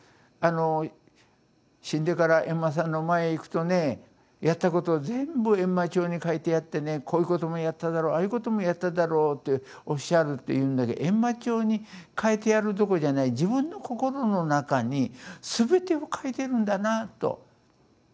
あの死んでから閻魔さんの前へ行くとねやったこと全部閻魔帳に書いてあってねこういうこともやっただろうああいうこともやっただろうっておっしゃるっていうんだけど閻魔帳に書いてあるどころじゃない自分の心の中に全てを書いてるんだなと。